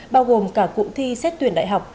bao gồm cả cụm thi xét tuyển đại học